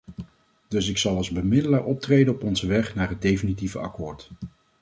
Dus ik zal als bemiddelaar optreden op onze weg naar het definitieve akkoord.